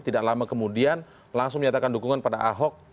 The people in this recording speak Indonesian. tidak lama kemudian langsung menyatakan dukungan pada ahok